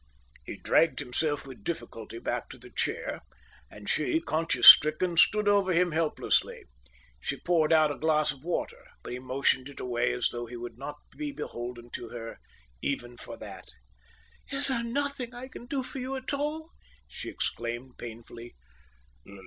He dragged himself with difficulty back to the chair, and she, conscience stricken, stood over him helplessly. She poured out a glass of water, but he motioned it away as though he would not be beholden to her even for that. "Is there nothing I can do for you at all?" she exclaimed, painfully.